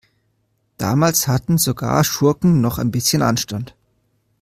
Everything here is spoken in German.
Damals hatten sogar Schurken noch ein bisschen Anstand.